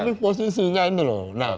tapi posisinya ini loh